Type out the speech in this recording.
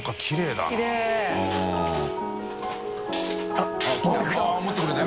あっ持ってくれた。